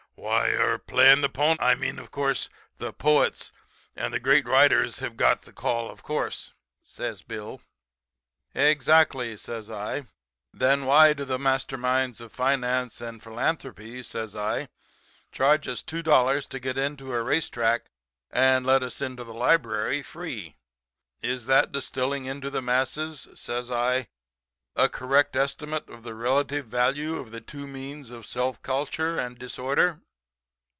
"'Why er , playing the po I mean, of course, the poets and the great writers have got the call, of course,' says Bill. "'Exactly,' says I. 'Then why do the master minds of finance and philanthropy,' says I, 'charge us $2 to get into a race track and let us into a library free? Is that distilling into the masses,' says I, 'a correct estimate of the relative value of the two means of self culture and disorder?'